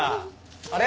あれ？